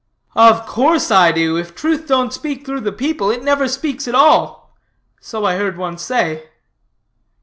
"Of course I do. If Truth don't speak through the people, it never speaks at all; so I heard one say."